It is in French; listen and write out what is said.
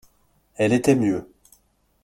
Elle était mieux.